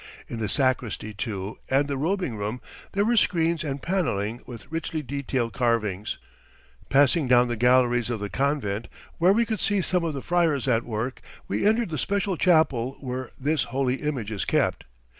In the sacristy, too, and the robing room, there were screens and paneling with richly detailed carvings. Passing down the galleries of the convent, where we could see some of the friars at work, we entered the special chapel where this holy image is kept.